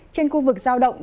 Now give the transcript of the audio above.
trên khu vực giao động